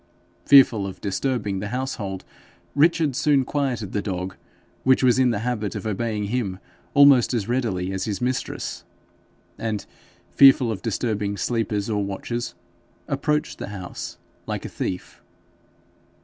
Fearful of disturbing the household, Richard soon quieted the dog, which was in the habit of obeying him almost as readily as his mistress, and, fearful of disturbing sleepers or watchers, approached the house like a thief.